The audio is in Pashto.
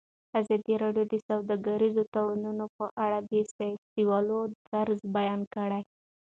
ازادي راډیو د سوداګریز تړونونه په اړه د سیاستوالو دریځ بیان کړی.